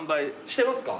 してますか？